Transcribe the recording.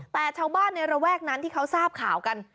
แต่ชาวบ้านในระแวกนั้นที่เขาทราบข่าวกัน